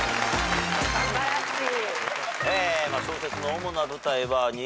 素晴らしい。